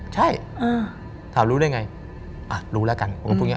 ใช่ถามรู้ได้ไงอ่ะรู้แล้วกัน